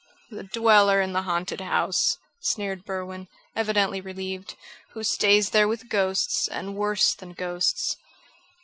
"The dweller in the haunted house," sneered Berwin, evidently relieved, "who stays there with ghosts, and worse than ghosts."